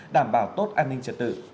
đảm bảo tốt an ninh trật tự